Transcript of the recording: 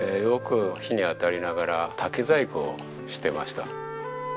よく火に当たりながら竹細工をしてました。